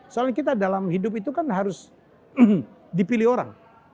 soalnya kita dalam hidup itu kan harus dipilih orang